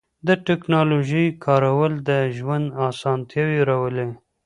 د تکنالوژۍ کارول د ژوند آسانتیاوې راولي.